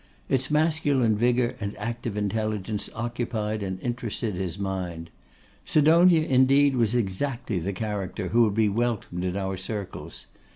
Its masculine vigour and active intelligence occupied and interested his mind. Sidonia, indeed, was exactly the character who would be welcomed in our circles.